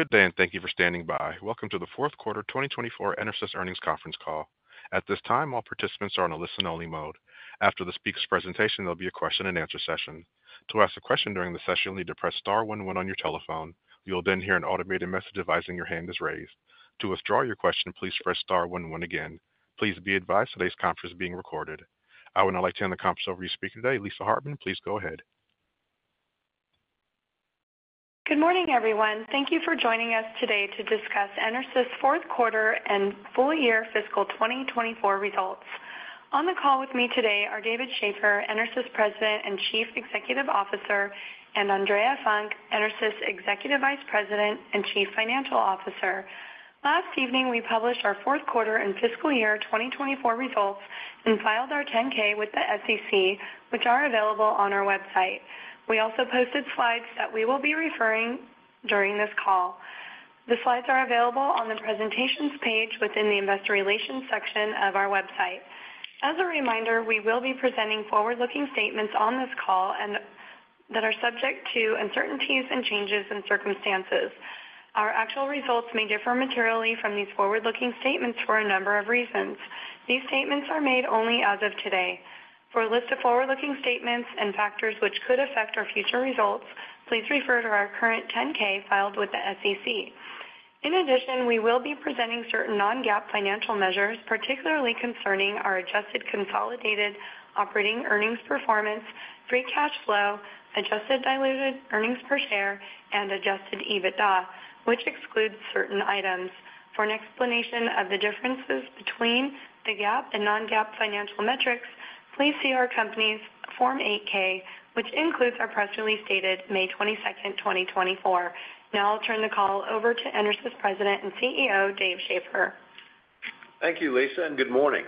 Good day, and thank you for standing by. Welcome to the fourth quarter 2024 EnerSys Earnings Conference Call. At this time, all participants are on a listen-only mode. After the speaker's presentation, there'll be a question-and-answer session. To ask a question during the session, you'll need to press star one one on your telephone. You'll then hear an automated message advising your hand is raised. To withdraw your question, please press star one one again. Please be advised today's conference is being recorded. I would now like to hand the conference over to your speaker today, Lisa Hartman. Please go ahead. Good morning, everyone. Thank you for joining us today to discuss EnerSys' fourth quarter and full year fiscal 2024 results. On the call with me today are David Shaffer, EnerSys President and Chief Executive Officer, and Andrea Funk, EnerSys Executive Vice President and Chief Financial Officer. Last evening, we published our fourth quarter and fiscal year 2024 results and filed our 10-K with the SEC, which are available on our website. We also posted slides that we will be referring during this call. The slides are available on the Presentations page within the Investor Relations section of our website. As a reminder, we will be presenting forward-looking statements on this call and that are subject to uncertainties and changes in circumstances. Our actual results may differ materially from these forward-looking statements for a number of reasons. These statements are made only as of today. For a list of forward-looking statements and factors which could affect our future results, please refer to our current 10-K filed with the SEC. In addition, we will be presenting certain non-GAAP financial measures, particularly concerning our adjusted consolidated operating earnings performance, free cash flow, adjusted diluted earnings per share, and adjusted EBITDA, which excludes certain items. For an explanation of the differences between the GAAP and non-GAAP financial metrics, please see our company's Form 8-K, which includes our press release dated May 22nd, 2024. Now I'll turn the call over to EnerSys President and CEO, David Shaffer. Thank you, Lisa, and good morning.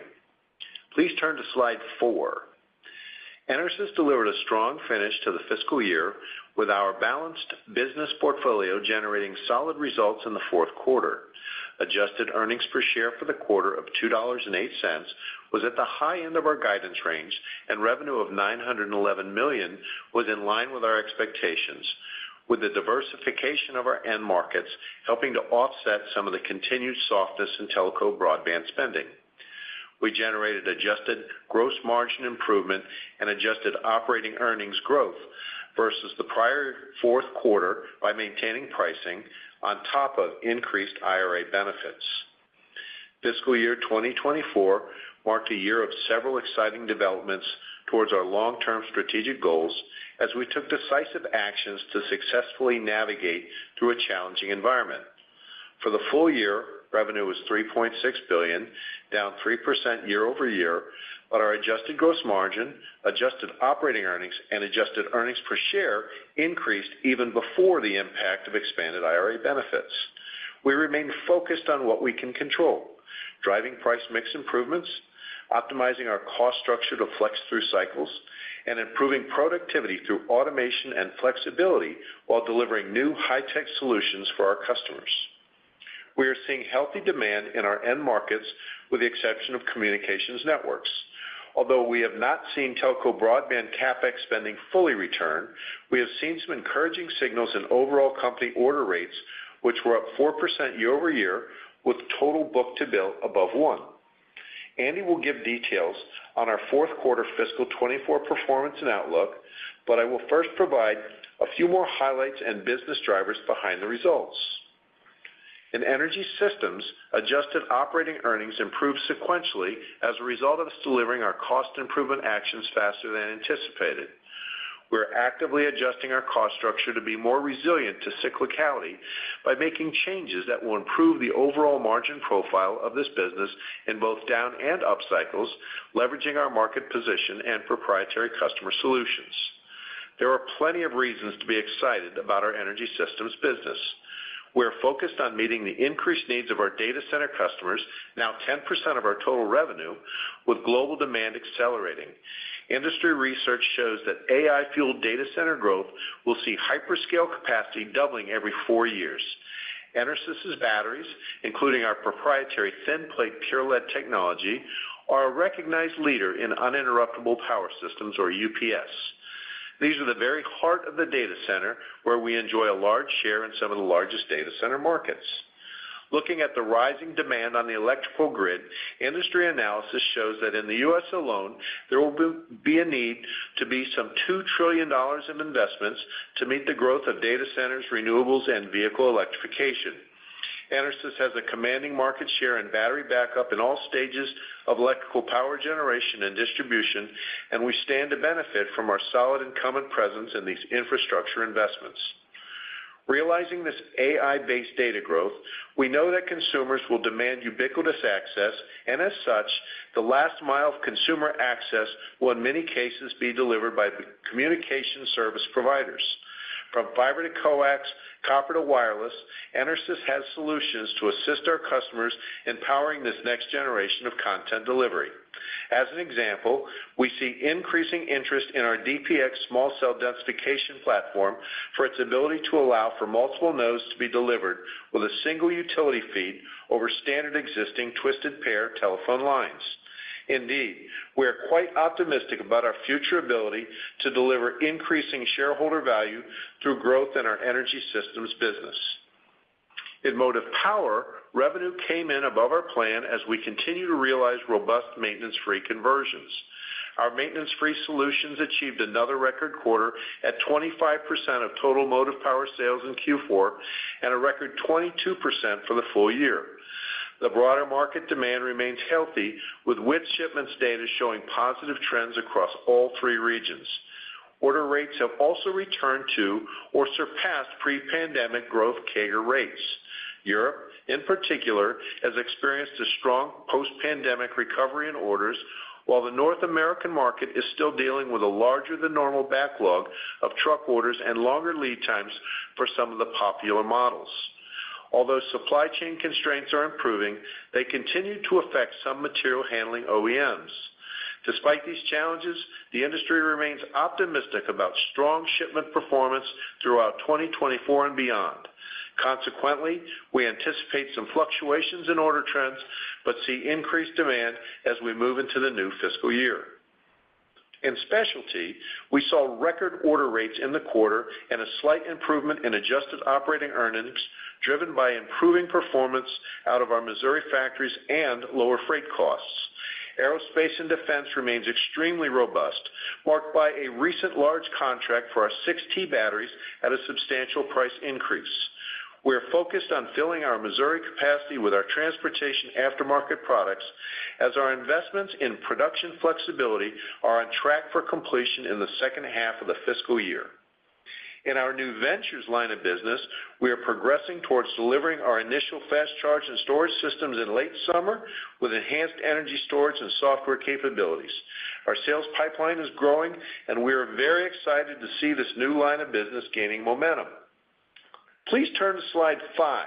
Please turn to Slide 4. EnerSys delivered a strong finish to the fiscal year with our balanced business portfolio generating solid results in the fourth quarter. Adjusted earnings per share for the quarter of $2.08 was at the high end of our guidance range, and revenue of $911 million was in line with our expectations, with the diversification of our end markets helping to offset some of the continued softness in telco broadband spending. We generated adjusted gross margin improvement and adjusted operating earnings growth versus the prior fourth quarter by maintaining pricing on top of increased IRA benefits. Fiscal year 2024 marked a year of several exciting developments towards our long-term strategic goals as we took decisive actions to successfully navigate through a challenging environment. For the full year, revenue was $3.6 billion, down 3% year over year, but our adjusted gross margin, adjusted operating earnings, and adjusted earnings per share increased even before the impact of expanded IRA benefits. We remain focused on what we can control, driving price mix improvements, optimizing our cost structure to flex through cycles, and improving productivity through automation and flexibility while delivering new high-tech solutions for our customers. We are seeing healthy demand in our end markets, with the exception of communications networks. Although we have not seen telco broadband CapEx spending fully return, we have seen some encouraging signals in overall company order rates, which were up 4% year over year, with total book-to-bill above one. Andi will give details on our fourth quarter fiscal 2024 performance and outlook, but I will first provide a few more highlights and business drivers behind the results. In Energy Systems, adjusted operating earnings improved sequentially as a result of us delivering our cost improvement actions faster than anticipated. We're actively adjusting our cost structure to be more resilient to cyclicality by making changes that will improve the overall margin profile of this business in both down and up cycles, leveraging our market position and proprietary customer solutions. There are plenty of reasons to be excited about our Energy Systems business. We're focused on meeting the increased needs of our data center customers, now 10% of our total revenue, with global demand accelerating. Industry research shows that AI-fueled data center growth will see hyperscale capacity doubling every four years. EnerSys' batteries, including our proprietary thin-plate pure lead technology, are a recognized leader in uninterruptible power systems, or UPS. These are the very heart of the data center, where we enjoy a large share in some of the largest data center markets. Looking at the rising demand on the electrical grid, industry analysis shows that in the U.S. alone, there will be a need to be some $2 trillion in investments to meet the growth of data centers, renewables, and vehicle electrification. EnerSys has a commanding market share in battery backup in all stages of electrical power generation and distribution, and we stand to benefit from our solid incumbent presence in these infrastructure investments. Realizing this AI-based data growth, we know that consumers will demand ubiquitous access, and as such, the last mile of consumer access will in many cases be delivered by the communication service providers. From fiber to coax, copper to wireless, EnerSys has solutions to assist our customers in powering this next generation of content delivery. As an example, we see increasing interest in our DPX small cell densification platform for its ability to allow for multiple nodes to be delivered with a single utility feed over standard existing twisted pair telephone lines. Indeed, we are quite optimistic about our future ability to deliver increasing shareholder value through growth in our Energy Systems business. In Motive Power, revenue came in above our plan as we continue to realize robust maintenance-free conversions. Our maintenance-free solutions achieved another record quarter at 25% of total Motive Power sales in Q4 and a record 22% for the full year. The broader market demand remains healthy, with WITS shipments data showing positive trends across all three regions. Order rates have also returned to or surpassed pre-pandemic growth CAGR rates. Europe, in particular, has experienced a strong post-pandemic recovery in orders, while the North American market is still dealing with a larger-than-normal backlog of truck orders and longer lead times for some of the popular models. Although supply chain constraints are improving, they continue to affect some material handling OEMs. Despite these challenges, the industry remains optimistic about strong shipment performance throughout 2024 and beyond. Consequently, we anticipate some fluctuations in order trends, but see increased demand as we move into the new fiscal year. In specialty, we saw record order rates in the quarter and a slight improvement in adjusted operating earnings, driven by improving performance out of our Missouri factories and lower freight costs. Aerospace and Defense remains extremely robust, marked by a recent large contract for our 6T batteries at a substantial price increase. We are focused on filling our Missouri capacity with our transportation aftermarket products, as our investments in production flexibility are on track for completion in the second half of the fiscal year. In our new ventures line of business, we are progressing towards delivering our initial fast charge and storage systems in late summer with enhanced energy storage and software capabilities. Our sales pipeline is growing, and we are very excited to see this new line of business gaining momentum. Please turn to Slide 5.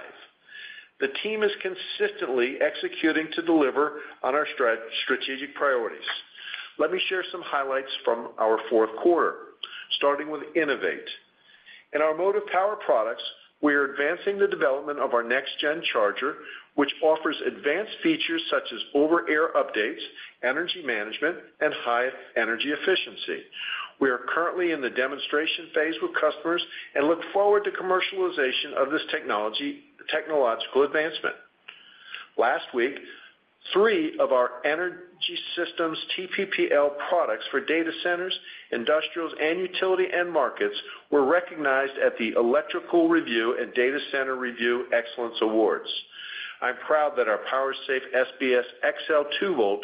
The team is consistently executing to deliver on our strategic priorities. Let me share some highlights from our fourth quarter, starting with innovate. In our Motive Power products, we are advancing the development of our next-gen charger, which offers advanced features such as over-the-air updates, energy management, and high energy efficiency. We are currently in the demonstration phase with customers and look forward to commercialization of this technological advancement. Last week, three of our Energy Systems, TPPL products for data centers, industrials, and utility end markets, were recognized at the Electrical Review and Data Centre Review Excellence Awards. I'm proud that our PowerSafe SBS XL 2V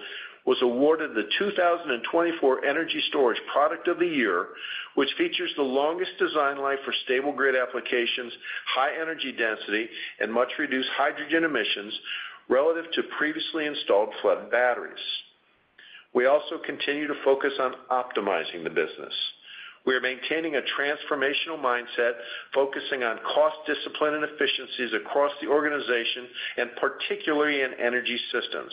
was awarded the 2024 Energy Storage Product of the Year, which features the longest design life for stable grid applications, high energy density, and much reduced hydrogen emissions relative to previously installed flood batteries. We also continue to focus on optimizing the business. We are maintaining a transformational mindset, focusing on cost discipline and efficiencies across the organization, and particularly in Energy Systems.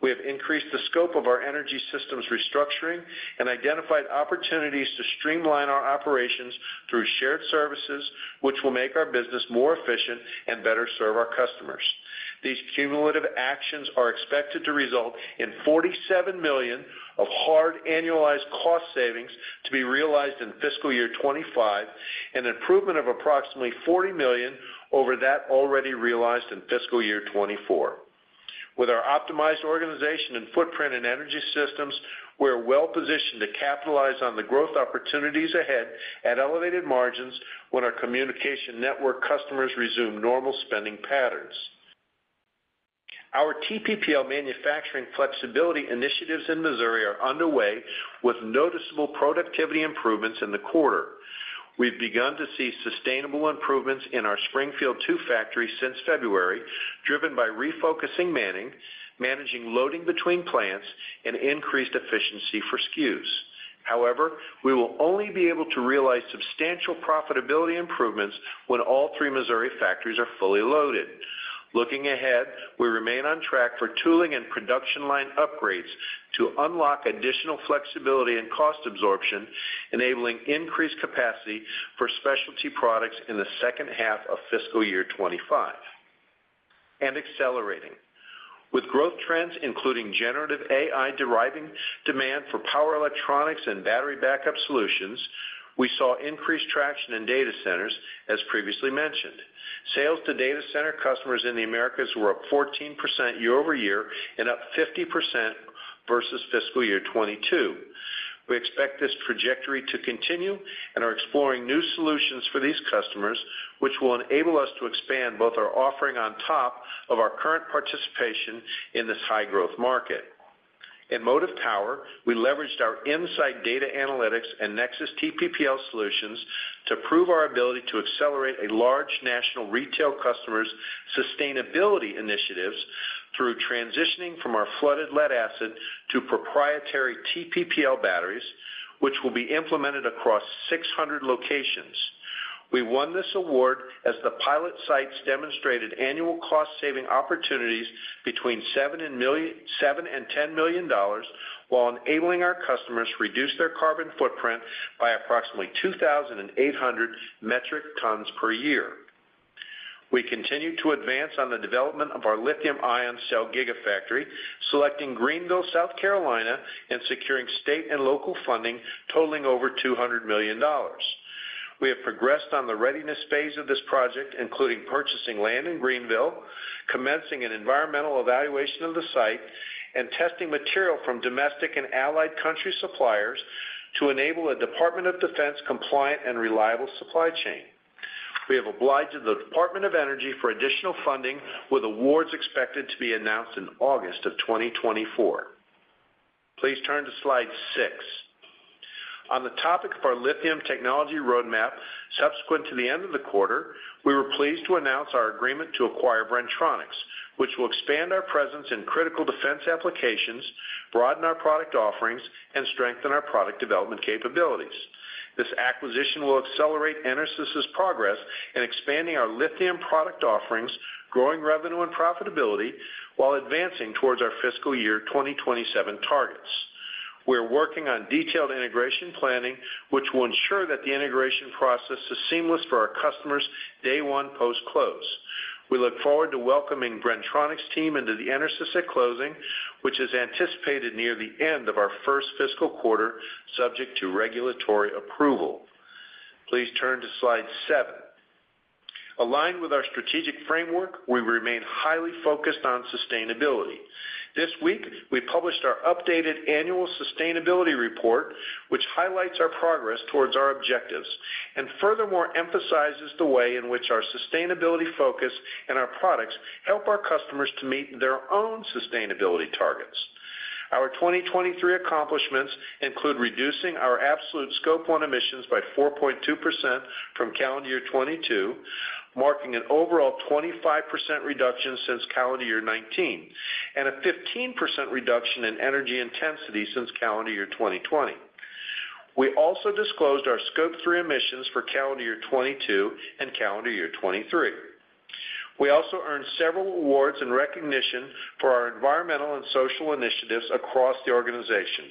We have increased the scope of our Energy Systems restructuring and identified opportunities to streamline our operations through shared services, which will make our business more efficient and better serve our customers. These cumulative actions are expected to result in $47 million of hard annualized cost savings to be realized in fiscal year 2025, an improvement of approximately $40 million over that already realized in fiscal year 2024. With our optimized organization and footprint in Energy Systems, we are well-positioned to capitalize on the growth opportunities ahead at elevated margins when our communication network customers resume normal spending patterns. Our TPPL manufacturing flexibility initiatives in Missouri are underway with noticeable productivity improvements in the quarter. We've begun to see sustainable improvements in our Springfield II factory since February, driven by refocusing manning, managing loading between plants, and increased efficiency for SKUs. However, we will only be able to realize substantial profitability improvements when all three Missouri factories are fully loaded. Looking ahead, we remain on track for tooling and production line upgrades to unlock additional flexibility and cost absorption, enabling increased capacity for specialty products in the second half of fiscal year 2025. And accelerating. With growth trends, including generative AI, deriving demand for power electronics and battery backup solutions, we saw increased traction in data centers, as previously mentioned. Sales to data center customers in the Americas were up 14% year-over-year and up 50% versus fiscal year 2022. We expect this trajectory to continue and are exploring new solutions for these customers, which will enable us to expand both our offering on top of our current participation in this high-growth market. In Motive Power, we leveraged our insight data analytics and NexSys TPPL solutions to prove our ability to accelerate a large national retail customer's sustainability initiatives through transitioning from our flooded lead acid to proprietary TPPL batteries, which will be implemented across 600 locations. We won this award as the pilot sites demonstrated annual cost-saving opportunities between $7 million and $10 million, while enabling our customers to reduce their carbon footprint by approximately 2,800 metric tons per year... We continue to advance on the development of our lithium-ion cell gigafactory, selecting Greenville, South Carolina, and securing state and local funding totaling over $200 million. We have progressed on the readiness phase of this project, including purchasing land in Greenville, commencing an environmental evaluation of the site, and testing material from domestic and allied country suppliers to enable a Department of Defense compliant and reliable supply chain. We have applied to the Department of Energy for additional funding, with awards expected to be announced in August of 2024. Please turn to Slide 6. On the topic of our lithium technology roadmap, subsequent to the end of the quarter, we were pleased to announce our agreement to acquire Bren-Tronics, which will expand our presence in critical defense applications, broaden our product offerings, and strengthen our product development capabilities. This acquisition will accelerate EnerSys's progress in expanding our lithium product offerings, growing revenue and profitability, while advancing towards our fiscal year 2027 targets. We are working on detailed integration planning, which will ensure that the integration process is seamless for our customers day one post-close. We look forward to welcoming Bren-Tronics team into the EnerSys at closing, which is anticipated near the end of our first fiscal quarter, subject to regulatory approval. Please turn to Slide 7. Aligned with our strategic framework, we remain highly focused on sustainability. This week, we published our updated annual sustainability report, which highlights our progress towards our objectives, and furthermore, emphasizes the way in which our sustainability focus and our products help our customers to meet their own sustainability targets. Our 2023 accomplishments include reducing our absolute Scope 1 emissions by 4.2% from calendar year 2022, marking an overall 25% reduction since calendar year 2019, and a 15% reduction in energy intensity since calendar year 2020. We also disclosed our Scope 3 emissions for calendar year 2022 and calendar year 2023. We also earned several awards and recognition for our environmental and social initiatives across the organization.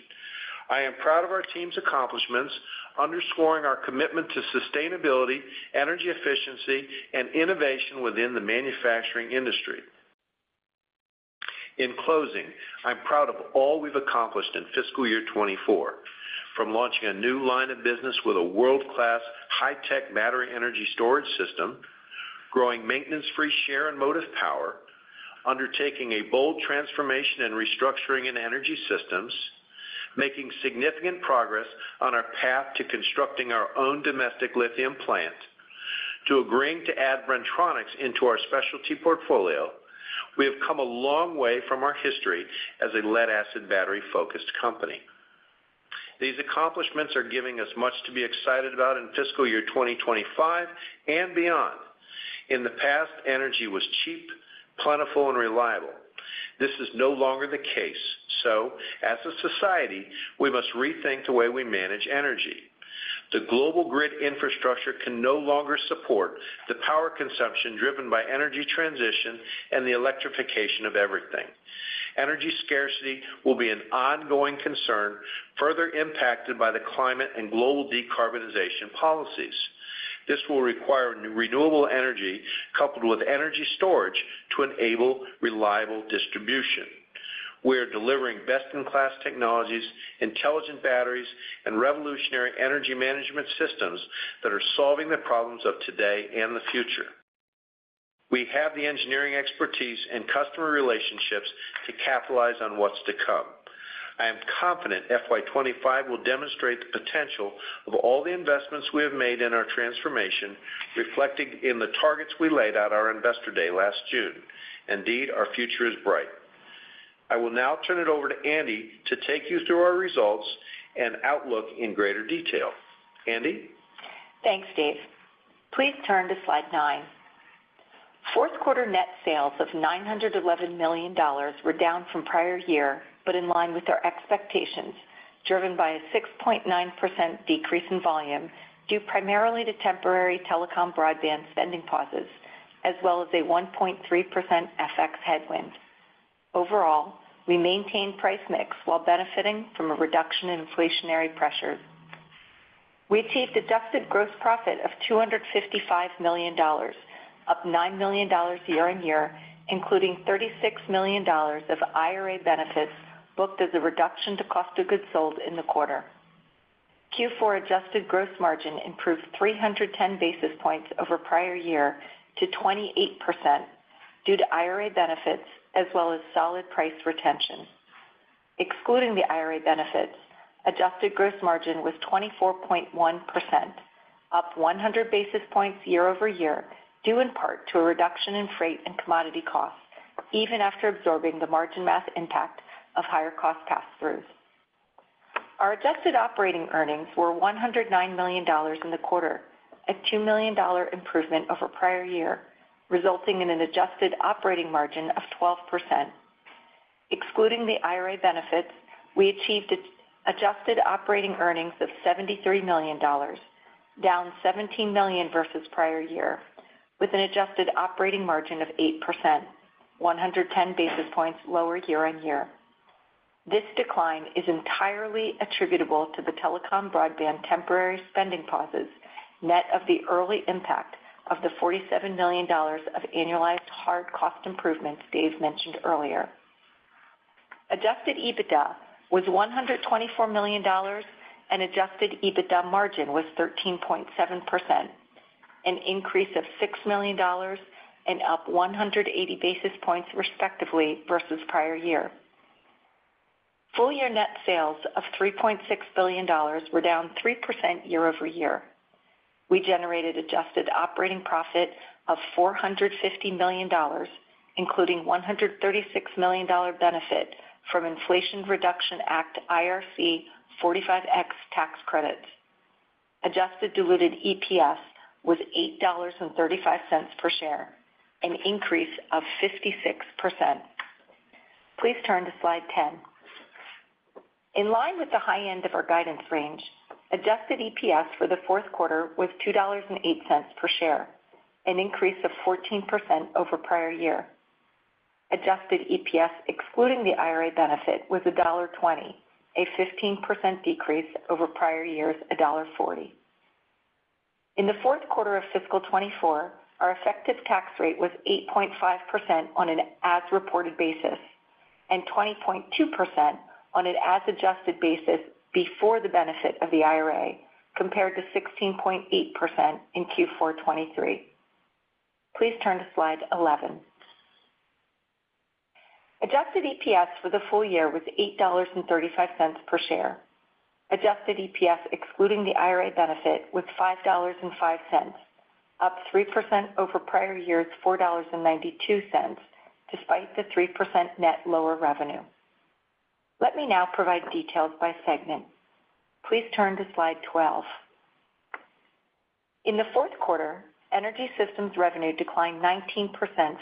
I am proud of our team's accomplishments, underscoring our commitment to sustainability, energy efficiency, and innovation within the manufacturing industry. In closing, I'm proud of all we've accomplished in fiscal year 2024, from launching a new line of business with a world-class, high-tech battery energy storage system, growing maintenance-free share and Motive Power, undertaking a bold transformation and restructuring in Energy Systems, making significant progress on our path to constructing our own domestic lithium plant, to agreeing to add Bren-Tronics into our specialty portfolio. We have come a long way from our history as a lead acid battery-focused company. These accomplishments are giving us much to be excited about in fiscal year 2025 and beyond. In the past, energy was cheap, plentiful, and reliable. This is no longer the case, so as a society, we must rethink the way we manage energy. The global grid infrastructure can no longer support the power consumption driven by energy transition and the electrification of everything. Energy scarcity will be an ongoing concern, further impacted by the climate and global decarbonization policies. This will require new renewable energy, coupled with energy storage, to enable reliable distribution. We are delivering best-in-class technologies, intelligent batteries, and revolutionary energy management systems that are solving the problems of today and the future. We have the engineering expertise and customer relationships to capitalize on what's to come. I am confident FY 2025 will demonstrate the potential of all the investments we have made in our transformation, reflected in the targets we laid out our Investor Day last June. Indeed, our future is bright. I will now turn it over to Andi to take you through our results and outlook in greater detail. Andi? Thanks, Dave. Please turn to Slide 9. Fourth quarter net sales of $911 million were down from prior year, but in line with our expectations, driven by a 6.9% decrease in volume, due primarily to temporary telecom broadband spending pauses, as well as a 1.3% FX headwind. Overall, we maintained price mix while benefiting from a reduction in inflationary pressures. We achieved adjusted gross profit of $255 million, up $9 million year-on-year, including $36 million of IRA benefits, booked as a reduction to cost of goods sold in the quarter. Q4 adjusted gross margin improved 310 basis points over prior year to 28% due to IRA benefits as well as solid price retention. Excluding the IRA benefits, adjusted gross margin was 24.1%, up 100 basis points year-over-year, due in part to a reduction in freight and commodity costs, even after absorbing the margin math impact of higher cost passthroughs. Our adjusted operating earnings were $109 million in the quarter, a $2 million improvement over prior year, resulting in an adjusted operating margin of 12%. Excluding the IRA benefits, we achieved adjusted operating earnings of $73 million, down $17 million versus prior year, with an adjusted operating margin of 8%, 110 basis points lower year-over-year. This decline is entirely attributable to the telecom broadband temporary spending pauses, net of the early impact of the $47 million of annualized hard cost improvements Dave mentioned earlier. Adjusted EBITDA was $124 million, and adjusted EBITDA margin was 13.7%, an increase of $6 million and up 180 basis points, respectively, versus prior year. Full-year net sales of $3.6 billion were down 3% year-over-year. We generated adjusted operating profit of $450 million, including $136 million-dollar benefit from Inflation Reduction Act, IRC 45X tax credits. Adjusted diluted EPS was $8.35 per share, an increase of 56%. Please turn to Slide 10. In line with the high end of our guidance range, adjusted EPS for the fourth quarter was $2.08 per share, an increase of 14% over prior year. Adjusted EPS, excluding the IRA benefit, was $1.20, a 15% decrease over prior year's $1.40. In the fourth quarter of fiscal 2024, our effective tax rate was 8.5% on an as-reported basis and 20.2% on an as-adjusted basis before the benefit of the IRA, compared to 16.8% in Q4 2023. Please turn to Slide 11. Adjusted EPS for the full year was $8.35 per share. Adjusted EPS, excluding the IRA benefit, was $5.05, up 3% over prior year's $4.92, despite the 3% net lower revenue. Let me now provide details by segment. Please turn to Slide 12. In the fourth quarter, Energy Systems revenue declined 19%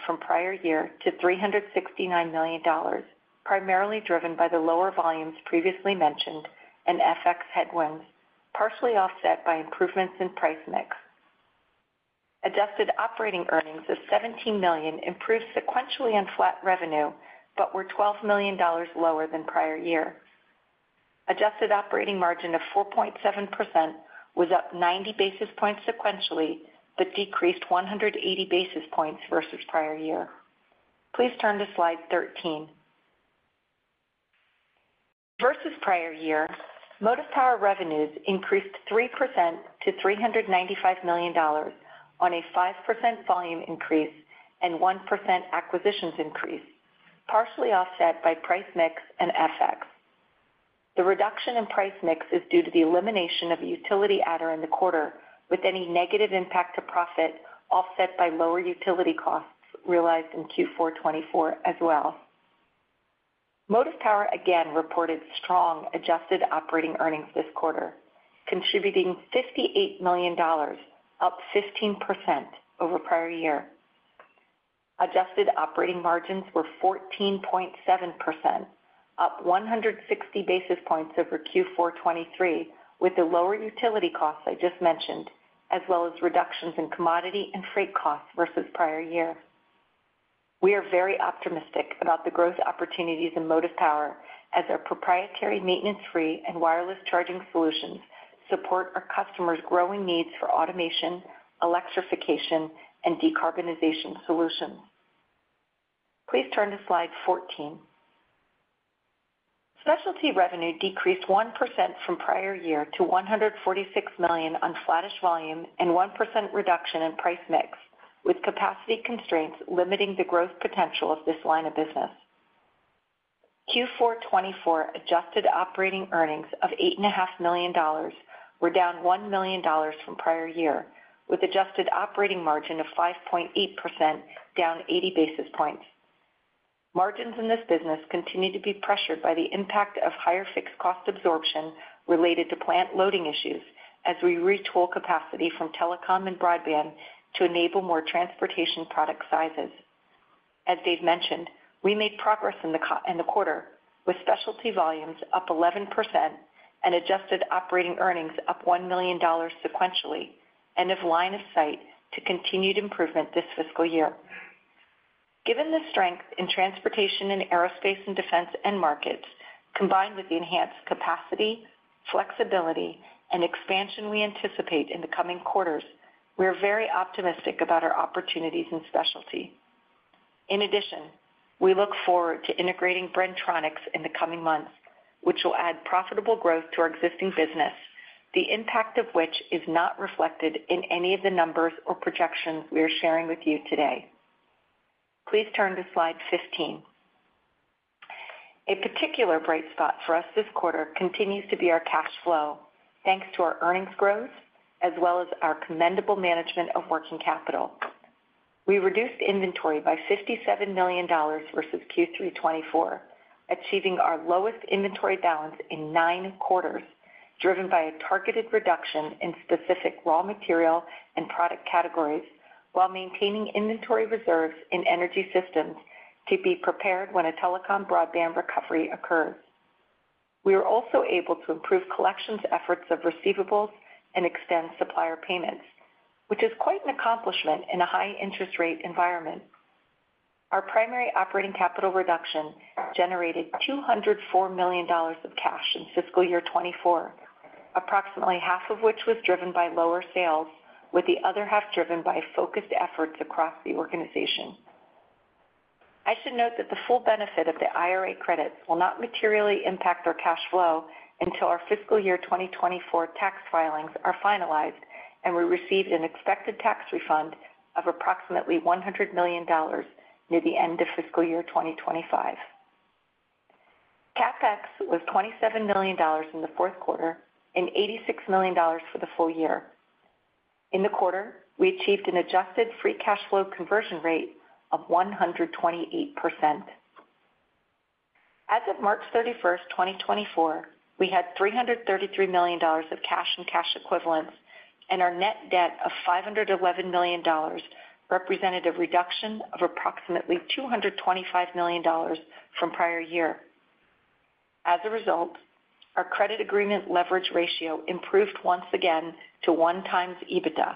from prior year to $369 million, primarily driven by the lower volumes previously mentioned and FX headwinds, partially offset by improvements in price mix. Adjusted operating earnings of $17 million improved sequentially on flat revenue, but were $12 million lower than prior year. Adjusted operating margin of 4.7% was up 90 basis points sequentially, but decreased 180 basis points versus prior year. Please turn to Slide 13. Versus prior year, Motive Power revenues increased 3% to $395 million on a 5% volume increase and 1% acquisitions increase, partially offset by price mix and FX. The reduction in price mix is due to the elimination of a utility adder in the quarter, with any negative impact to profit offset by lower utility costs realized in Q4 2024 as well. Motive Power again reported strong adjusted operating earnings this quarter, contributing $58 million, up 15% over prior year. Adjusted operating margins were 14.7%, up 160 basis points over Q4 2023, with the lower utility costs I just mentioned, as well as reductions in commodity and freight costs versus prior year. We are very optimistic about the growth opportunities in Motive Power as our proprietary maintenance-free and wireless charging solutions support our customers' growing needs for automation, electrification, and decarbonization solutions. Please turn to Slide 14. Specialty revenue decreased 1% from prior year to $146 million on flattish volume and 1% reduction in price mix, with capacity constraints limiting the growth potential of this line of business. Q4 2024 adjusted operating earnings of $8.5 million were down $1 million from prior year, with adjusted operating margin of 5.8%, down 80 basis points. Margins in this business continue to be pressured by the impact of higher fixed cost absorption related to plant loading issues as we retool capacity from telecom and broadband to enable more transportation product sizes. As Dave mentioned, we made progress in the quarter, with specialty volumes up 11% and adjusted operating earnings up $1 million sequentially, and have line of sight to continued improvement this fiscal year. Given the strength in transportation and aerospace and defense end markets, combined with the enhanced capacity, flexibility, and expansion we anticipate in the coming quarters, we are very optimistic about our opportunities in specialty. In addition, we look forward to integrating Bren-Tronics in the coming months, which will add profitable growth to our existing business, the impact of which is not reflected in any of the numbers or projections we are sharing with you today. Please turn to Slide 15. A particular bright spot for us this quarter continues to be our cash flow, thanks to our earnings growth as well as our commendable management of working capital. We reduced inventory by $57 million versus Q3 2024, achieving our lowest inventory balance in nine quarters, driven by a targeted reduction in specific raw material and product categories, while maintaining inventory reserves in Energy Systems to be prepared when a telecom broadband recovery occurs. We were also able to improve collections efforts of receivables and extend supplier payments, which is quite an accomplishment in a high interest rate environment. Our primary operating capital reduction generated $204 million of cash in fiscal year 2024, approximately half of which was driven by lower sales, with the other half driven by focused efforts across the organization. I should note that the full benefit of the IRA credits will not materially impact our cash flow until our fiscal year 2024 tax filings are finalized, and we received an expected tax refund of approximately $100 million near the end of fiscal year 2025. CapEx was $27 million in the fourth quarter and $86 million for the full year. In the quarter, we achieved an adjusted free cash flow conversion rate of 128%. As of March 31, 2024, we had $333 million of cash and cash equivalents, and our net debt of $511 million represented a reduction of approximately $225 million from prior year. As a result, our credit agreement leverage ratio improved once again to one times EBITDA.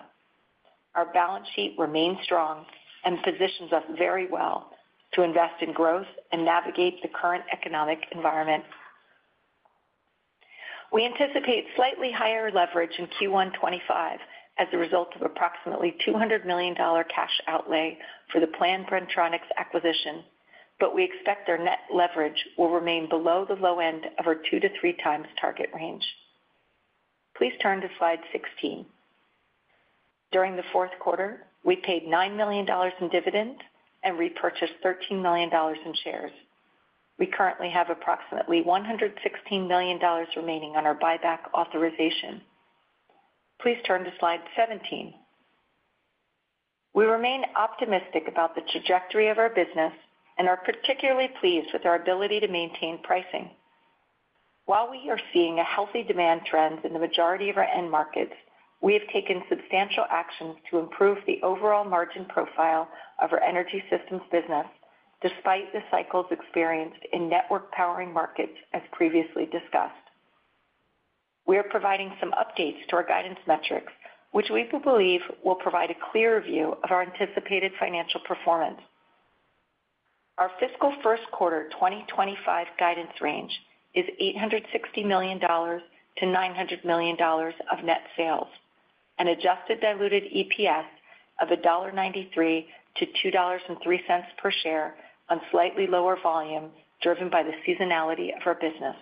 Our balance sheet remains strong and positions us very well to invest in growth and navigate the current economic environment. We anticipate slightly higher leverage in Q1 2025 as a result of approximately $200 million cash outlay for the planned Bren-Tronics acquisition, but we expect our net leverage will remain below the low end of our 2-3 times target range. Please turn to Slide 16. During the fourth quarter, we paid $9 million in dividends and repurchased $13 million in shares. We currently have approximately $116 million remaining on our buyback authorization. Please turn to Slide 17. We remain optimistic about the trajectory of our business and are particularly pleased with our ability to maintain pricing. While we are seeing a healthy demand trend in the majority of our end markets, we have taken substantial actions to improve the overall margin profile of our Energy Systems business, despite the cycles experienced in network powering markets, as previously discussed. We are providing some updates to our guidance metrics, which we believe will provide a clearer view of our anticipated financial performance. Our fiscal first quarter 2025 guidance range is $860 million-$900 million of net sales, an adjusted diluted EPS of $1.93-$2.03 per share on slightly lower volume, driven by the seasonality of our business.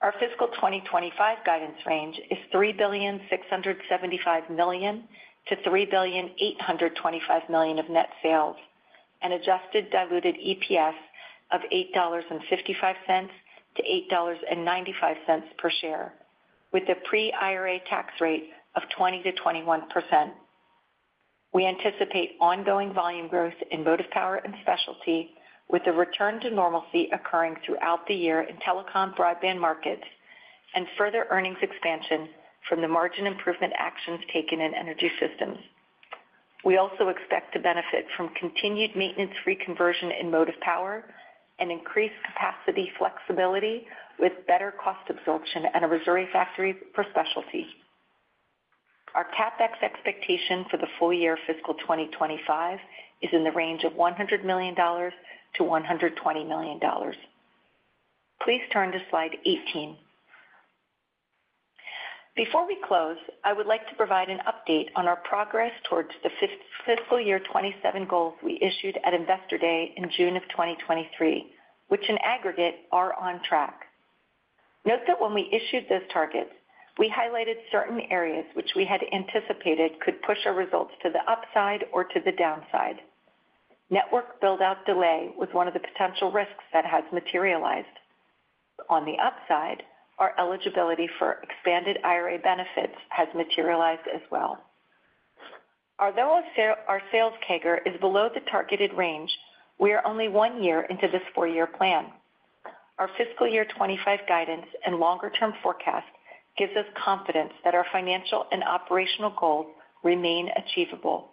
Our fiscal 2025 guidance range is $3.675 billion-$3.825 billion of net sales and adjusted diluted EPS of $8.55-$8.95 per share, with a pre-IRA tax rate of 20%-21%. We anticipate ongoing volume growth in Motive Power and specialty, with a return to normalcy occurring throughout the year in telecom broadband markets and further earnings expansion from the margin improvement actions taken in Energy Systems. We also expect to benefit from continued maintenance-free conversion in Motive Power and increased capacity flexibility, with better cost absorption at our Missouri factory for specialty. Our CapEx expectation for the full-year fiscal 2025 is in the range of $100 million-$120 million. Please turn to Slide 18. Before we close, I would like to provide an update on our progress towards the fiscal year 2027 goals we issued at Investor Day in June of 2023, which in aggregate, are on track. Note that when we issued those targets, we highlighted certain areas which we had anticipated could push our results to the upside or to the downside. Network build-out delay was one of the potential risks that has materialized. On the upside, our eligibility for expanded IRA benefits has materialized as well. Although our sales, our sales CAGR is below the targeted range, we are only one year into this four-year plan. Our fiscal year 2025 guidance and longer-term forecast gives us confidence that our financial and operational goals remain achievable.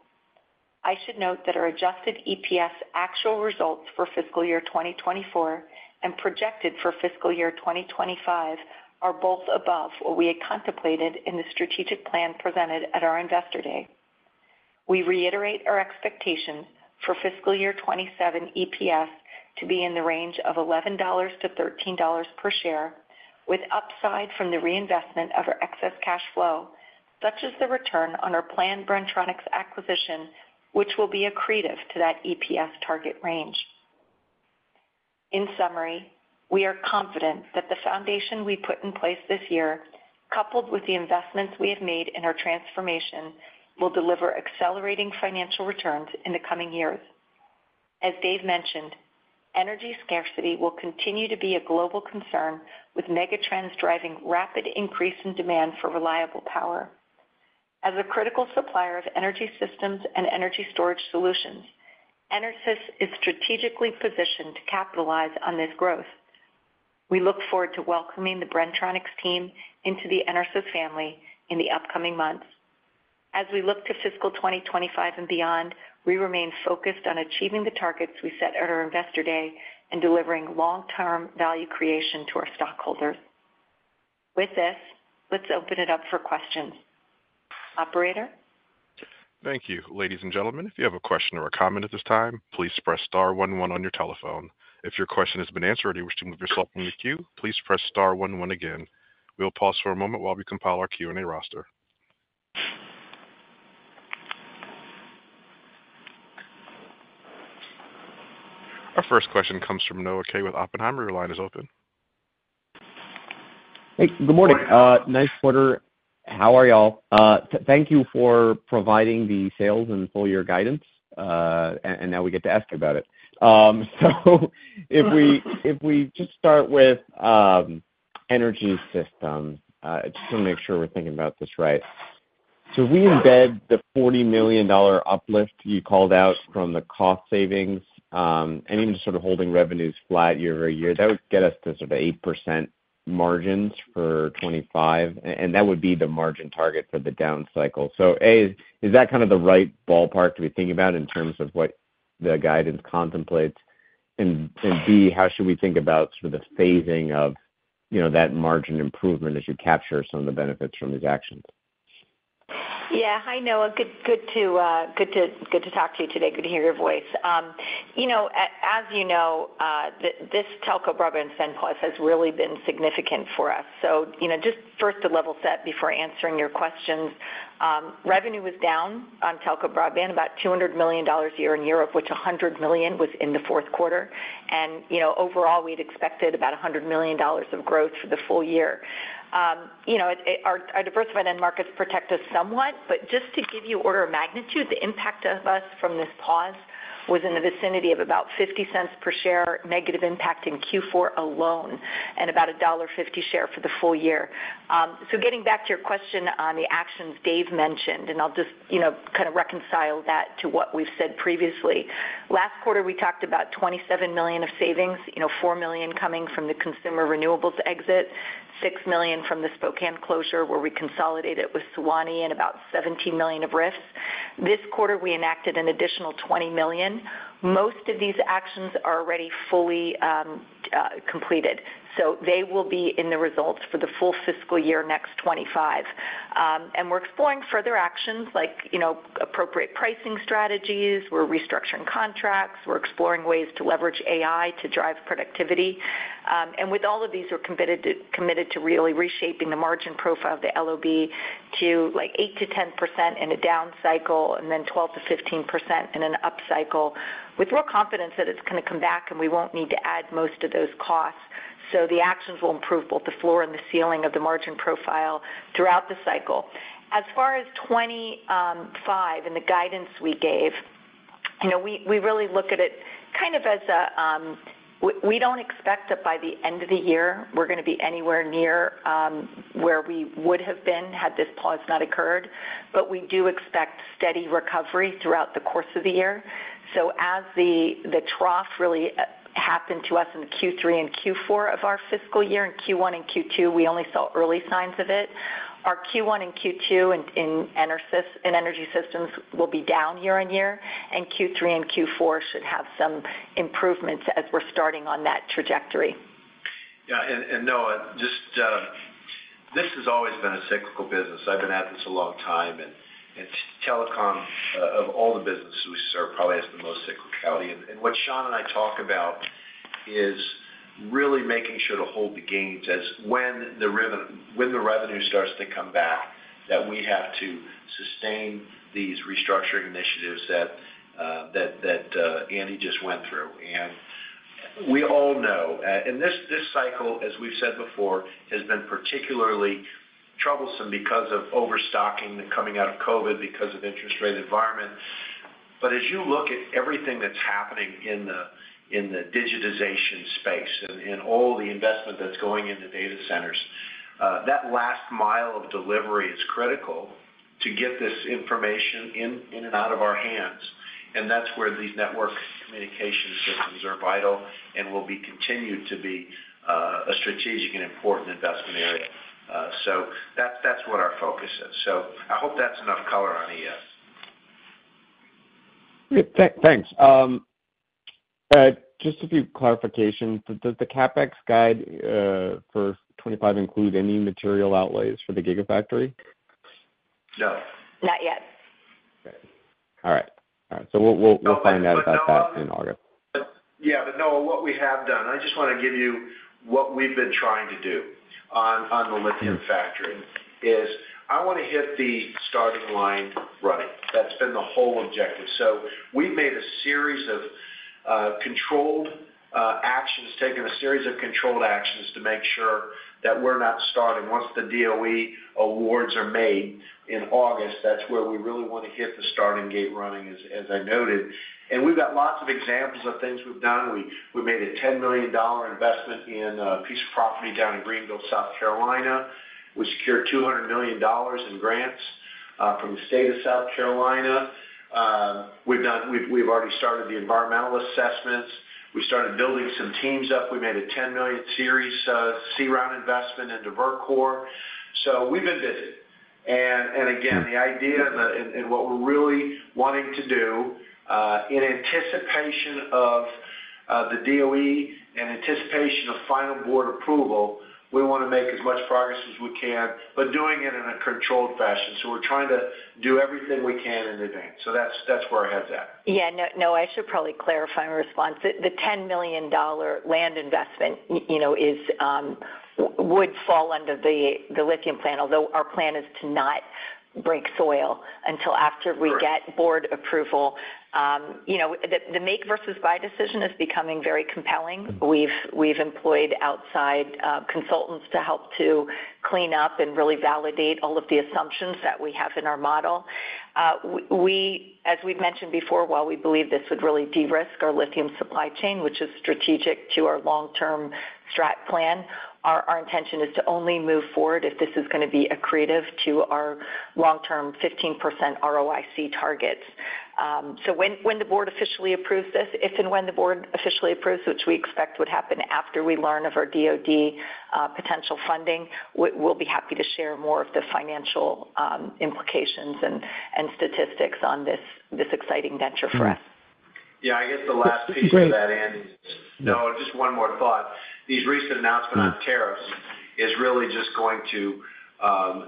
I should note that our adjusted EPS actual results for fiscal year 2024 and projected for fiscal year 2025 are both above what we had contemplated in the strategic plan presented at our Investor Day. We reiterate our expectations for fiscal year 2027 EPS to be in the range of $11-$13 per share, with upside from the reinvestment of our excess cash flow, such as the return on our planned Bren-Tronics acquisition, which will be accretive to that EPS target range. In summary, we are confident that the foundation we put in place this year, coupled with the investments we have made in our transformation, will deliver accelerating financial returns in the coming years. As Dave mentioned, energy scarcity will continue to be a global concern, with megatrends driving rapid increase in demand for reliable power. As a critical supplier of Energy Systems and energy storage solutions, EnerSys is strategically positioned to capitalize on this growth. We look forward to welcoming the Bren-Tronics team into the EnerSys family in the upcoming months. As we look to fiscal 2025 and beyond, we remain focused on achieving the targets we set at our Investor Day and delivering long-term value creation to our stockholders. With this, let's open it up for questions. Operator? Thank you. Ladies and gentlemen, if you have a question or a comment at this time, please press star one one on your telephone. If your question has been answered or you wish to move yourself from the queue, please press star one one again. We'll pause for a moment while we compile our Q&A roster. Our first question comes from Noah Kaye with Oppenheimer. Your line is open. Hey, good morning. Nice quarter. How are y'all? Thank you for providing the sales and full year guidance. And now we get to ask you about it. So if we just start with energy system, just to make sure we're thinking about this right. So we embed the $40 million uplift you called out from the cost savings, and even just sort of holding revenues flat year-over-year, that would get us to sort of 8% margins for 25, and that would be the margin target for the down cycle. So A, is that kind of the right ballpark to be thinking about in terms of what the guidance contemplates? And B, how should we think about sort of the phasing of, you know, that margin improvement as you capture some of the benefits from these actions? Yeah. Hi, Noah. Good to talk to you today. Good to hear your voice. You know, as you know, this telco broadband spend pause has really been significant for us. So, you know, just first to level set before answering your questions, revenue was down on telco broadband, about $200 million a year in Europe, which $100 million was in the fourth quarter. And, you know, overall, we'd expected about $100 million of growth for the full year. You know, it, our diversified end markets protect us somewhat, but just to give you order of magnitude, the impact on us from this pause was in the vicinity of about $0.50 per share, negative impact in Q4 alone, and about $1.50 per share for the full year. So getting back to your question on the actions Dave mentioned, and I'll just, you know, kind of reconcile that to what we've said previously. Last quarter, we talked about $27 million of savings, you know, $4 million coming from the consumer renewables exit, $6 million from the Spokane closure, where we consolidated with Suwanee, and about $17 million of RIFs. This quarter, we enacted an additional $20 million. Most of these actions are already fully completed, so they will be in the results for the full fiscal year next 2025. And we're exploring further actions like, you know, appropriate pricing strategies. We're restructuring contracts. We're exploring ways to leverage AI to drive productivity. And with all of these, we're committed to, committed to really reshaping the margin profile of the LOB to, like, 8%-10% in a down cycle, and then 12%-15% in an up cycle, with more confidence that it's gonna come back, and we won't need to add most of those costs. So the actions will improve both the floor and the ceiling of the margin profile throughout the cycle. As far as 2025 and the guidance we gave, you know, we, we really look at it kind of as a... We, we don't expect that by the end of the year, we're gonna be anywhere near where we would have been, had this pause not occurred, but we do expect steady recovery throughout the course of the year. So as the trough really happened to us in Q3 and Q4 of our fiscal year, in Q1 and Q2, we only saw early signs of it. Our Q1 and Q2 in EnerSys - in Energy Systems will be down year-over-year, and Q3 and Q4 should have some improvements as we're starting on that trajectory. Yeah, and Noah, just this has always been a cyclical business. I've been at this a long time, and telecom of all the businesses we serve, probably has the most cyclicality. And what Sean and I talk about is really making sure to hold the gains as when the revenue starts to come back, that we have to sustain these restructuring initiatives that Andi just went through. And we all know, and this cycle, as we've said before, has been particularly troublesome because of overstocking and coming out of COVID because of interest rate environment. But as you look at everything that's happening in the digitization space and all the investment that's going into data centers, that last mile of delivery is critical to get this information in and out of our hands, and that's where these network communication systems are vital and will be continued to be a strategic and important investment area. So that's what our focus is. So I hope that's enough color on ES. Yeah, thanks. Just a few clarifications. Does the CapEx guide for 25 include any material outlays for the Gigafactory? No. Not yet. Okay. All right. All right, so we'll find out about that in August. Yeah, but Noah, what we have done, I just wanna give you what we've been trying to do on, on the lithium factory, is I wanna hit the starting line running. That's been the whole objective. So we've made a series of controlled actions, taken a series of controlled actions to make sure that we're not starting. Once the DOE awards are made in August, that's where we really want to hit the starting gate running, as I noted. And we've got lots of examples of things we've done. We made a $10 million investment in a piece of property down in Greenville, South Carolina. We secured $200 million in grants from the state of South Carolina. We've already started the environmental assessments. We started building some teams up. We made a $10 million Series C round investment into Verkor. So we've been busy. And again, the idea and what we're really wanting to do, in anticipation of the DOE and anticipation of final board approval, we want to make as much progress as we can, but doing it in a controlled fashion. So we're trying to do everything we can in advance. So that's where our head's at. Yeah. No, no, I should probably clarify my response. The $10 million land investment, you know, would fall under the lithium plan, although our plan is to not break ground until after we get board approval. You know, the make versus buy decision is becoming very compelling. We've employed outside consultants to help to clean up and really validate all of the assumptions that we have in our model. As we've mentioned before, while we believe this would really de-risk our lithium supply chain, which is strategic to our long-term strat plan, our intention is to only move forward if this is gonna be accretive to our long-term 15% ROIC targets. So when the board officially approves this, if and when the board officially approves, which we expect would happen after we learn of our DoD potential funding, we'll be happy to share more of the financial implications and statistics on this exciting venture for us. Yeah, I guess the last piece of that, Andi. No, just one more thought. These recent announcements on tariffs is really just going to,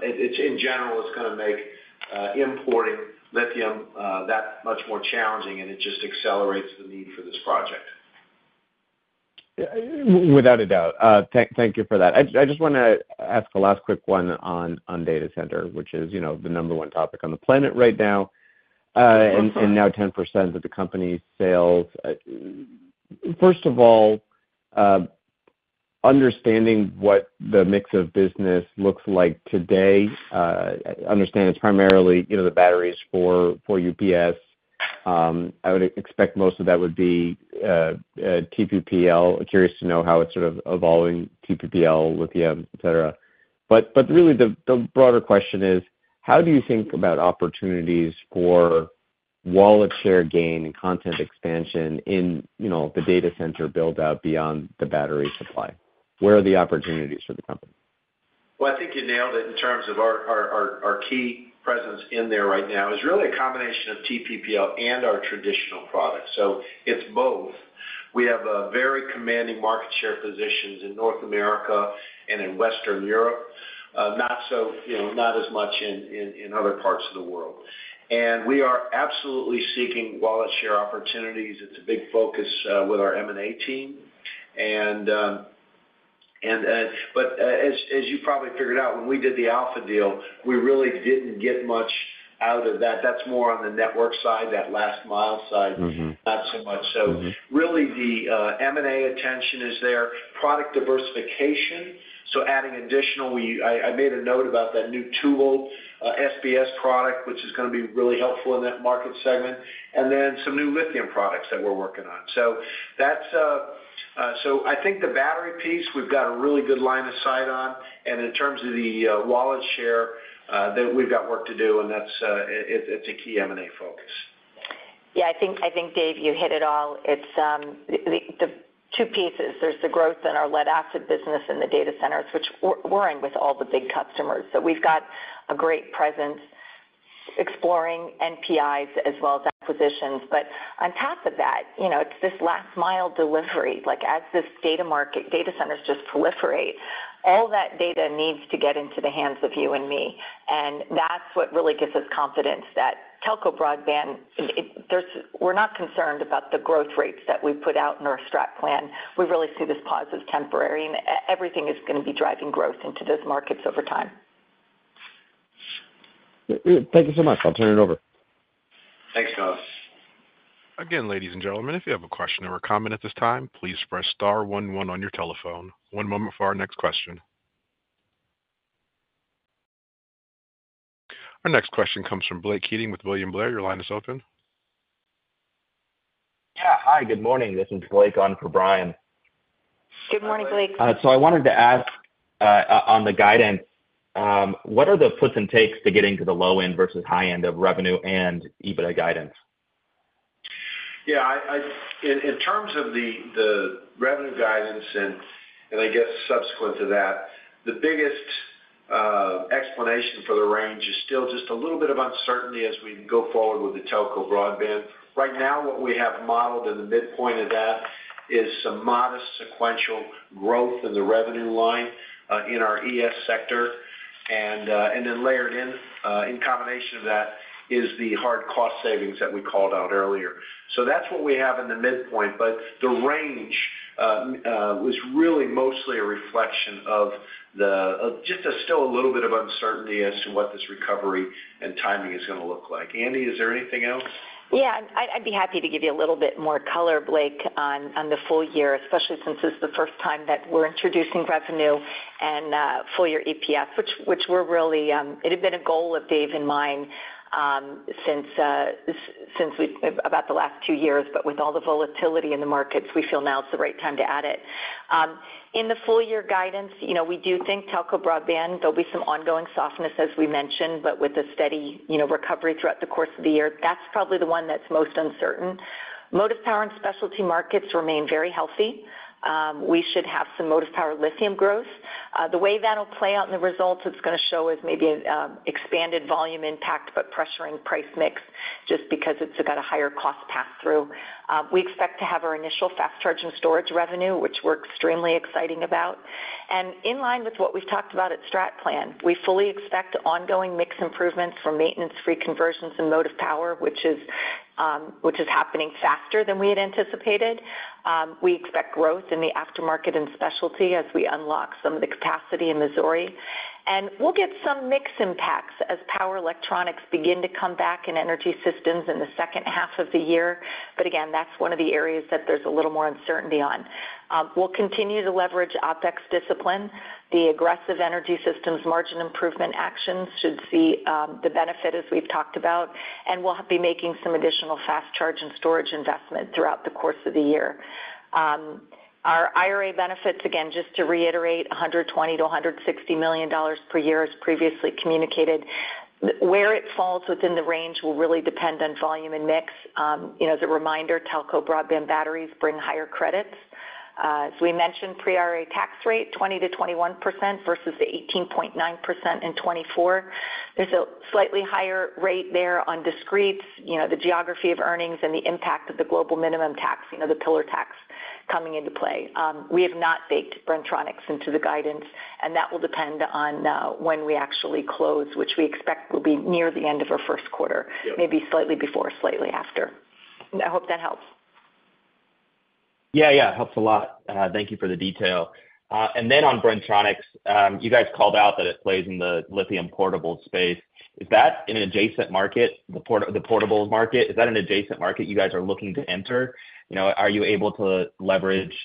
in general, it's gonna make importing lithium that much more challenging, and it just accelerates the need for this project. Without a doubt. Thank you for that. I just want to ask a last quick one on data center, which is, you know, the number one topic on the planet right now, and now 10% of the company's sales. First of all, understanding what the mix of business looks like today, I understand it's primarily, you know, the batteries for UPS. I would expect most of that would be TPPL. Curious to know how it's sort of evolving TPPL, lithium, et cetera. But really, the broader question is: how do you think about opportunities for wallet share gain and content expansion in, you know, the data center build-out beyond the battery supply? Where are the opportunities for the company? Well, I think you nailed it in terms of our key presence in there right now. It's really a combination of TPPL and our traditional products. So it's both. We have a very commanding market share positions in North America and in Western Europe, not so, you know, not as much in other parts of the world. And we are absolutely seeking wallet share opportunities. It's a big focus with our M&A team. But as you probably figured out, when we did the Alpha deal, we really didn't get much out of that. That's more on the network side, that last mile side. Mm-hmm. Not so much. Mm-hmm. So really, the M&A attention is there. Product diversification, so adding additional, I made a note about that new 2V SBS product, which is gonna be really helpful in that market segment, and then some new lithium products that we're working on. So that's... So I think the battery piece, we've got a really good line of sight on, and in terms of the wallet share, that we've got work to do, and that's it, it's a key M&A focus. Yeah, I think, I think, Dave, you hit it all. It's the two pieces. There's the growth in our lead acid business in the data centers, which we're in with all the big customers. So we've got a great presence exploring NPIs as well as acquisitions. But on top of that, you know, it's this last mile delivery. Like, as this data market, data centers just proliferate, all that data needs to get into the hands of you and me, and that's what really gives us confidence that telco broadband, there's-- we're not concerned about the growth rates that we put out in our strat plan. We really see this pause as temporary, and everything is gonna be driving growth into those markets over time. Thank you so much. I'll turn it over. Thanks, guys. Again, ladies and gentlemen, if you have a question or a comment at this time, please press star one one on your telephone. One moment for our next question. Our next question comes from Blake Keating with William Blair. Your line is open. Yeah. Hi, good morning. This is Blake on for Brian. Good morning, Blake. So, I wanted to ask, on the guidance, what are the puts and takes to getting to the low end versus high end of revenue and EBITDA guidance? Yeah, in terms of the revenue guidance, and I guess subsequent to that, the biggest explanation for the range is still just a little bit of uncertainty as we go forward with the telco broadband. Right now, what we have modeled in the midpoint of that is some modest sequential growth in the revenue line in our ES sector, and then layered in, in combination of that, is the hard cost savings that we called out earlier. So that's what we have in the midpoint, but the range was really mostly a reflection of the just still a little bit of uncertainty as to what this recovery and timing is gonna look like. Andi, is there anything else? Yeah. I'd be happy to give you a little bit more color, Blake, on the full year, especially since this is the first time that we're introducing revenue and full year EPS, which we're really, it had been a goal of Dave and mine, since about the last two years, but with all the volatility in the markets, we feel now is the right time to add it. In the full year guidance, you know, we do think telco broadband, there'll be some ongoing softness, as we mentioned, but with a steady, you know, recovery throughout the course of the year, that's probably the one that's most uncertain. Motive power and specialty markets remain very healthy. We should have some Motive Power lithium growth. The way that'll play out in the results, it's gonna show is maybe expanded volume impact, but pressuring price mix just because it's got a higher cost pass-through. We expect to have our initial fast charge and storage revenue, which we're extremely exciting about. And in line with what we've talked about at Strat Plan, we fully expect ongoing mix improvements for maintenance-free conversions and Motive Power, which is happening faster than we had anticipated. We expect growth in the aftermarket and specialty as we unlock some of the capacity in Missouri. And we'll get some mix impacts as power electronics begin to come back in Energy Systems in the second half of the year. But again, that's one of the areas that there's a little more uncertainty on. We'll continue to leverage OpEx discipline. The aggressive Energy Systems margin improvement actions should see the benefit, as we've talked about, and we'll be making some additional fast charge and storage investment throughout the course of the year. Our IRA benefits, again, just to reiterate, $120 million-$160 million per year, as previously communicated. Where it falls within the range will really depend on volume and mix. You know, as a reminder, telco broadband batteries bring higher credits. As we mentioned, pre-IRA tax rate, 20%-21% versus the 18.9% in 2024. There's a slightly higher rate there on discretes, you know, the geography of earnings and the impact of the global minimum tax, you know, the pillar tax coming into play. We have not baked Bren-Tronics into the guidance, and that will depend on when we actually close, which we expect will be near the end of our first quarter, maybe slightly before, slightly after. I hope that helps. Yeah, yeah, helps a lot. Thank you for the detail. And then on Bren-Tronics, you guys called out that it plays in the lithium portable space. Is that in an adjacent market, the portables market? Is that an adjacent market you guys are looking to enter? You know, are you able to leverage—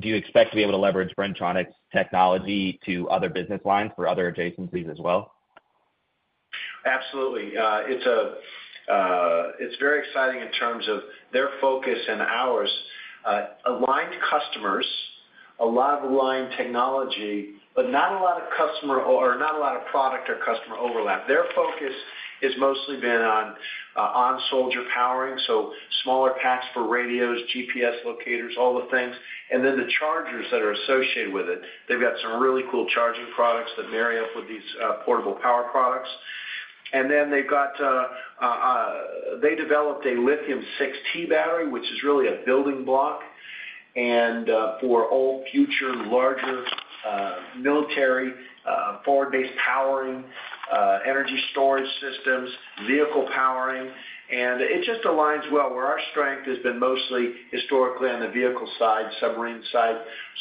Do you expect to be able to leverage Bren-Tronics technology to other business lines for other adjacencies as well? Absolutely. It's very exciting in terms of their focus and ours, aligned customers, a lot of aligned technology, but not a lot of customer or not a lot of product or customer overlap. Their focus has mostly been on soldier powering, so smaller packs for radios, GPS locators, all the things, and then the chargers that are associated with it. They've got some really cool charging products that marry up with these, portable power products. And then they've got, they developed a lithium 6T battery, which is really a building block, and, for all future larger, military, forward-based powering, energy storage systems, vehicle powering. And it just aligns well, where our strength has been mostly historically on the vehicle side, submarine side.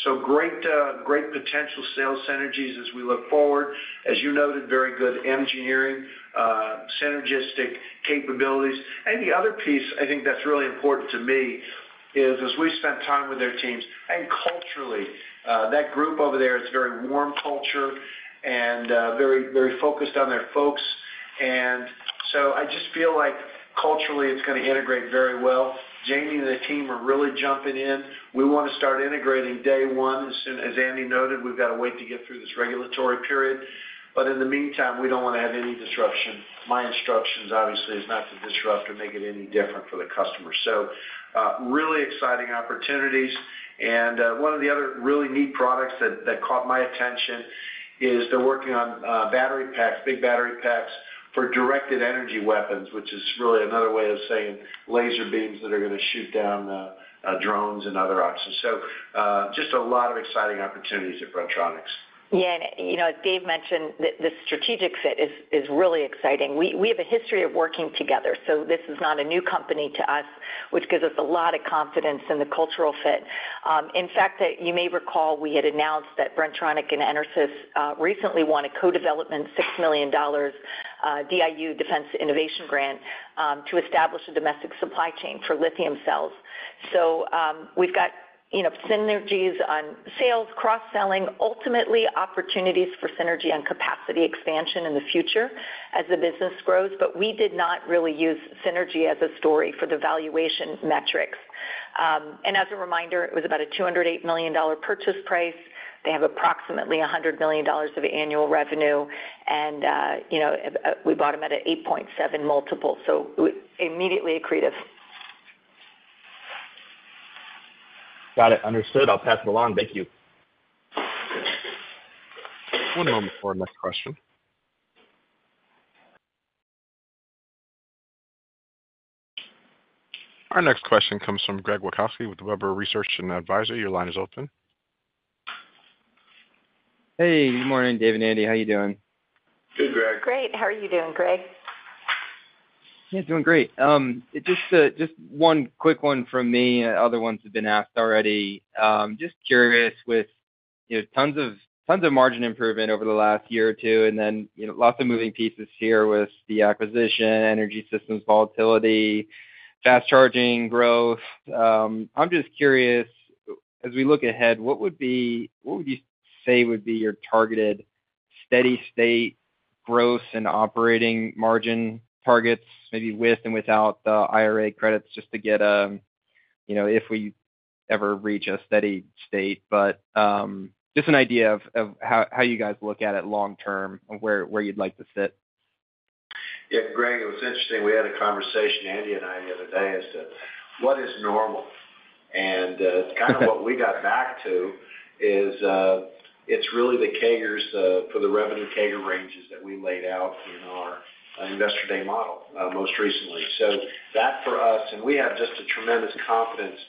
So great, great potential sales synergies as we look forward. As you noted, very good engineering, synergistic capabilities. And the other piece I think that's really important to me is, as we spent time with their teams, and culturally, that group over there is a very warm culture and, very, very focused on their folks. And so I just feel like culturally, it's gonna integrate very well. Jamie and the team are really jumping in. We want to start integrating day one. As soon as Andi noted, we've got to wait to get through this regulatory period, but in the meantime, we don't want to have any disruption. My instructions, obviously, is not to disrupt or make it any different for the customer. So, really exciting opportunities. One of the other really neat products that caught my attention is they're working on battery packs, big battery packs for directed energy weapons, which is really another way of saying laser beams that are gonna shoot down drones and other options. So, just a lot of exciting opportunities at Bren-Tronics. Yeah, and you know, as Dave mentioned, the strategic fit is really exciting. We have a history of working together, so this is not a new company to us, which gives us a lot of confidence in the cultural fit. In fact, you may recall, we had announced that Bren-Tronics and EnerSys recently won a co-development $6 million DIU Defense Innovation Grant to establish a domestic supply chain for lithium cells. So, we've got, you know, synergies on sales, cross-selling, ultimately opportunities for synergy and capacity expansion in the future as the business grows, but we did not really use synergy as a story for the valuation metrics. And as a reminder, it was about a $208 million purchase price. They have approximately $100 million of annual revenue, and, you know, we bought them at an 8.7x multiple, so immediately accretive. Got it. Understood. I'll pass it along. Thank you. One moment before our next question. Our next question comes from Greg Wasikowski with Webber Research and Advisory. Your line is open. Hey, good morning, Dave and Andi. How are you doing? Good, Greg. Great. How are you doing, Greg? Yeah, doing great. Just one quick one from me. Other ones have been asked already. Just curious, with, you know, tons of, tons of margin improvement over the last year or two, and then, you know, lots of moving pieces here with the acquisition, Energy Systems volatility, fast charging growth. I'm just curious, as we look ahead, what would be—what would you say would be your targeted.... steady state growth and operating margin targets, maybe with and without the IRA credits, just to get, you know, if we ever reach a steady state. But, just an idea of how you guys look at it long term and where you'd like to sit. Yeah, Greg, it was interesting. We had a conversation, Andi and I, the other day, as to what is normal? And, kind of what we got back to is, it's really the CAGRs for the revenue CAGR ranges that we laid out in our Investor Day model, most recently. So that for us, and we have just a tremendous confidence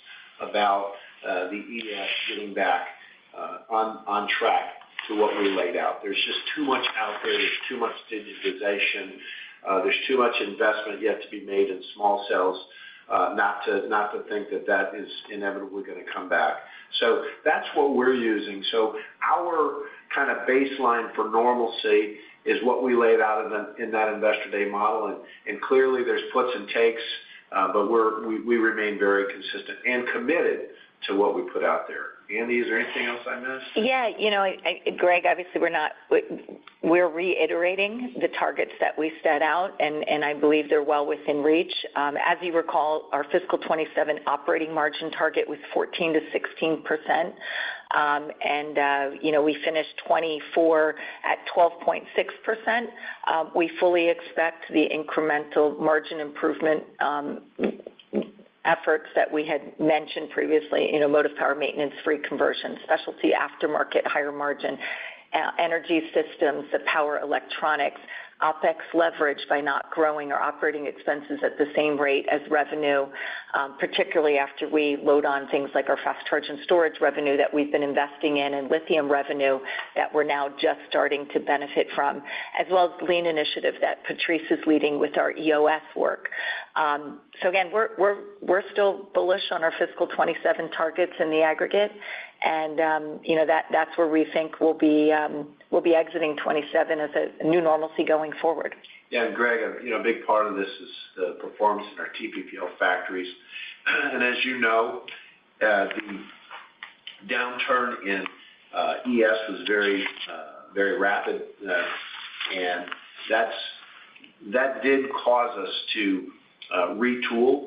about the EOS getting back on track to what we laid out. There's just too much out there, there's too much digitization, there's too much investment yet to be made in small cells, not to think that that is inevitably gonna come back. So that's what we're using. So our kind of baseline for normalcy is what we laid out in that Investor Day model, and clearly, there's puts and takes, but we remain very consistent and committed to what we put out there. Andi, is there anything else I missed? Yeah, you know, Greg, obviously, we're reiterating the targets that we set out, and I believe they're well within reach. As you recall, our fiscal 2027 operating margin target was 14%-16%. And you know, we finished 2024 at 12.6%. We fully expect the incremental margin improvement efforts that we had mentioned previously, you know, Motive Power, maintenance-free conversion, specialty aftermarket, higher margin Energy Systems, the power electronics, OpEx leverage by not growing our operating expenses at the same rate as revenue, particularly after we load on things like our fast charge and storage revenue that we've been investing in, and lithium revenue that we're now just starting to benefit from, as well as lean initiatives that Patrice is leading with our EOS work. So again, we're still bullish on our fiscal 2027 targets in the aggregate, and, you know, that's where we think we'll be exiting 2027 as a new normalcy going forward. Yeah, and Greg, you know, a big part of this is the performance in our TPPL factories. And as you know, the downturn in ES was very, very rapid, and that's that did cause us to retool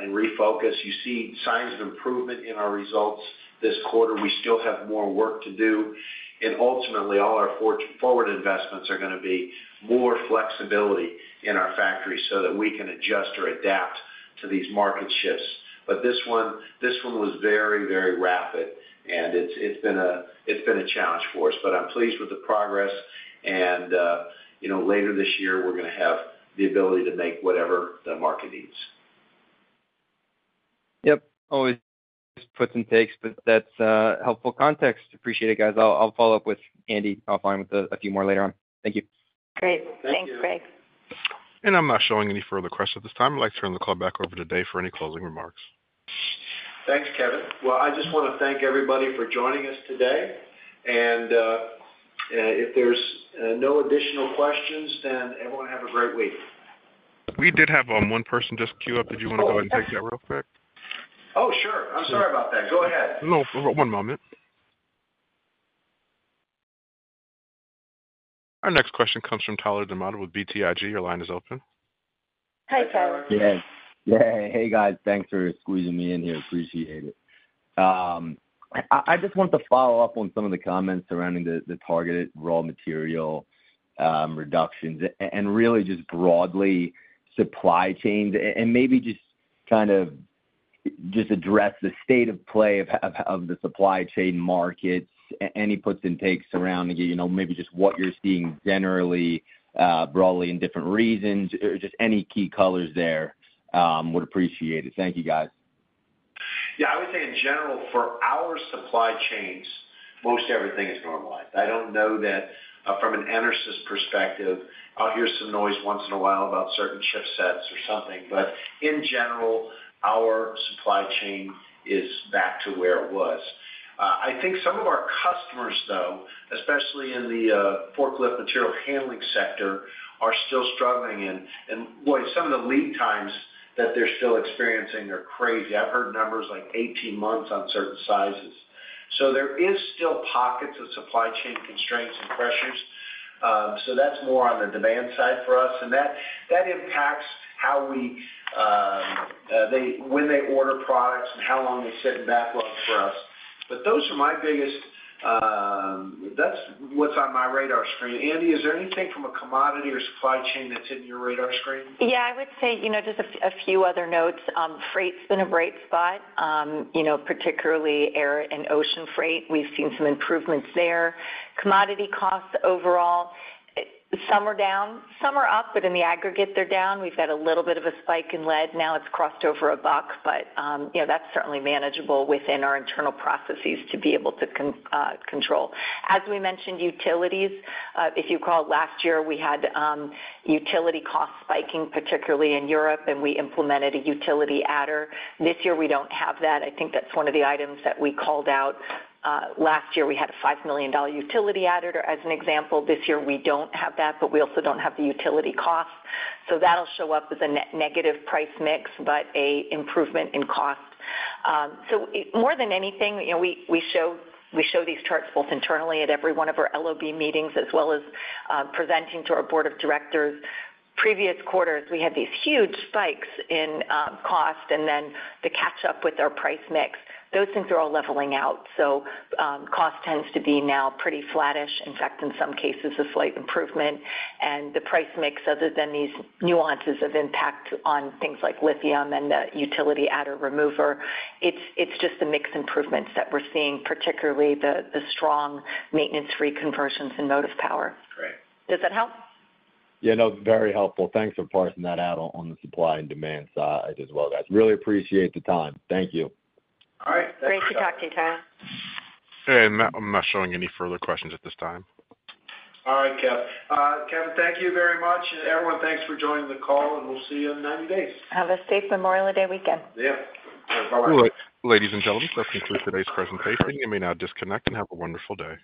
and refocus. You see signs of improvement in our results this quarter. We still have more work to do, and ultimately, all our forward investments are gonna be more flexibility in our factory so that we can adjust or adapt to these market shifts. But this one, this one was very, very rapid, and it's been a challenge for us. But I'm pleased with the progress, and, you know, later this year, we're gonna have the ability to make whatever the market needs. Yep. Always puts and takes, but that's, helpful context. Appreciate it, guys. I'll, I'll follow up with Andi offline with a, a few more later on. Thank you. Great. Thank you. Thanks, Greg. I'm not showing any further questions at this time. I'd like to turn the call back over to Dave for any closing remarks. Thanks, Kevin. Well, I just wanna thank everybody for joining us today, and, if there's no additional questions, then everyone have a great week. We did have one person just queue up. If you wanna go ahead and take that real quick? Oh, sure. I'm sorry about that. Go ahead. No, one moment. Our next question comes from Tyler DiMatteo with BTIG. Your line is open. Hi, Tyler. Yes. Yeah, hey, guys, thanks for squeezing me in here. Appreciate it. I just wanted to follow up on some of the comments surrounding the targeted raw material reductions and really just broadly, supply chains. And maybe just kind of just address the state of play of the supply chain markets, any puts and takes around, you know, maybe just what you're seeing generally, broadly in different regions or just any key colors there. Would appreciate it. Thank you, guys. Yeah, I would say in general, for our supply chains, most everything is normalized. I don't know that from an EnerSys perspective, I'll hear some noise once in a while about certain chipsets or something, but in general, our supply chain is back to where it was. I think some of our customers, though, especially in the forklift material handling sector, are still struggling, and boy, some of the lead times that they're still experiencing are crazy. I've heard numbers like 18 months on certain sizes. So there is still pockets of supply chain constraints and pressures. So that's more on the demand side for us, and that impacts how they order products and how long they sit in backlog for us. But those are my biggest. That's what's on my radar screen. Andi, is there anything from a commodity or supply chain that's in your radar screen? Yeah, I would say, you know, just a few other notes. Freight's been a bright spot. You know, particularly air and ocean freight, we've seen some improvements there. Commodity costs overall, some are down, some are up, but in the aggregate, they're down. We've got a little bit of a spike in lead. Now it's crossed over a buck, but, you know, that's certainly manageable within our internal processes to be able to control. As we mentioned, utilities, if you recall, last year we had, utility costs spiking, particularly in Europe, and we implemented a utility adder. This year, we don't have that. I think that's one of the items that we called out. Last year, we had a $5 million utility adder, as an example. This year, we don't have that, but we also don't have the utility costs. So that'll show up as a negative price mix, but a improvement in cost. So more than anything, you know, we, we show, we show these charts both internally at every one of our LOB meetings, as well as, presenting to our board of directors. Previous quarters, we had these huge spikes in, cost, and then to catch up with our price mix, those things are all leveling out. So, cost tends to be now pretty flattish. In fact, in some cases, a slight improvement. And the price mix, other than these nuances of impact on things like lithium and the utility adder remover, it's, it's just the mix improvements that we're seeing, particularly the, the strong maintenance-free conversions in Motive Power. Great. Does that help? Yeah, no, very helpful. Thanks for parsing that out on the supply and demand side as well, guys. Really appreciate the time. Thank you. All right. Great to talk to you, Tyler. I'm not showing any further questions at this time. All right, Kevin. Kevin, thank you very much. Everyone, thanks for joining the call, and we'll see you in 90 days. Have a safe Memorial Day weekend. Yeah. Bye-bye. Well, ladies and gentlemen, that concludes today's presentation. You may now disconnect and have a wonderful day.